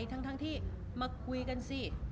รูปนั้นผมก็เป็นคนถ่ายเองเคลียร์กับเรา